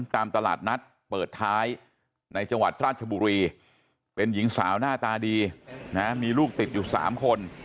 ตามตลาดนัดเปิดท้ายในจังหวัดราชบุรีเป็นหญิงสาวหน้าตาดีนะมีลูกติดอยู่๓คน